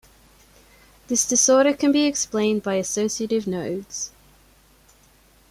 This disorder can be explained by "associative nodes".